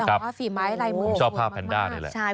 แต่ว่าฝีม้ายลายมูกสวยมากใช่คุณชอบภาพแพนด้านเนี่ยแหละน่ารัก